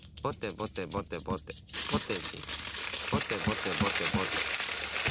ぼてぼてぼてぼて。